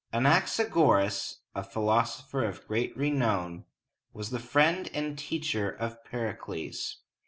An ax ag´o ras, a philosopher of great renown, was the friend and teacher of Pericles.